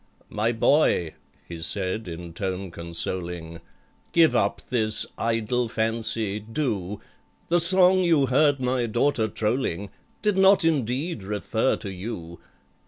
"My boy," he said, in tone consoling, "Give up this idle fancy—do— The song you heard my daughter trolling Did not, indeed, refer to you.